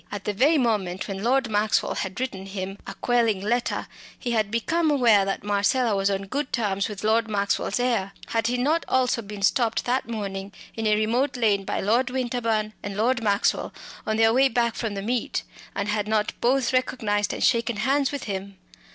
At the very moment when Lord Maxwell had written him a quelling letter, he had become aware that Marcella was on good terms with Lord Maxwell's heir. Had he not also been stopped that morning in a remote lane by Lord Winterbourne and Lord Maxwell on their way back from the meet, and had not both recognised and shaken hands with him?